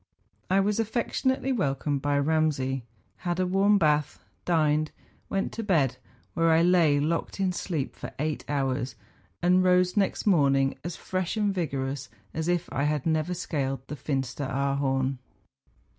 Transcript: I was affectionately welcomed by Kamsay, had a warm bath, dined, went to bed, where I lay locked in sleep for eight hours, and rose next morning as fresh and vigorous as if I had never scaled the Fin steraarhorn.